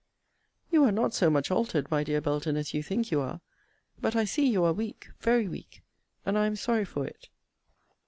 You are not so much altered, my dear Belton, as you think you are. But I see you are weak; very weak and I am sorry for it.